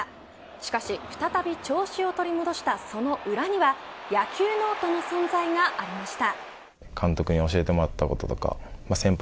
しかし再び調子を取り戻したその裏には野球ノートの存在がありました。